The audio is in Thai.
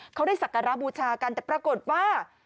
เขาได้สักการะบูชากันแต่ปรากฏว่า